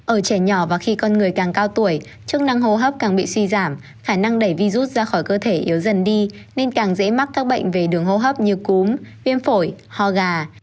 ở trẻ nhỏ và khi con người càng cao tuổi chức năng hô hấp càng bị suy giảm khả năng đẩy virus ra khỏi cơ thể yếu dần đi nên càng dễ mắc các bệnh về đường hô hấp như cúm viêm phổi ho gà